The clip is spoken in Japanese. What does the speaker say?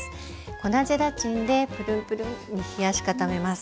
粉ゼラチンでプルンプルンに冷やし固めます。